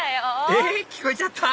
えっ聞こえちゃった？